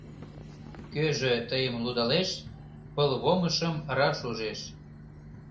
Кӧжӧ тыйым лудалеш Пылвомышым раш ужеш